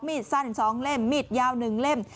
สั้น๒เล่มมีดยาว๑เล่ม